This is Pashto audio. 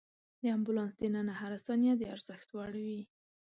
د امبولانس دننه هره ثانیه د ارزښت وړ وي.